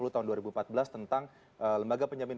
tahun dua ribu empat belas tentang lembaga penjamin